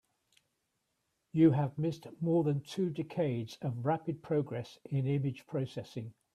You have missed more than two decades of rapid progress in image processing.